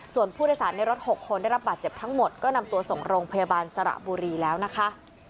ส่วนผู้โดยสารในรถ๖คนได้รับบาดเจ็บทั้งหมดก็นำตัวส่งโรงพยาบาลสระบุรีแล้วนะคะ